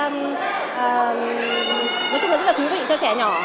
nói chung là rất là thú vị cho trẻ nhỏ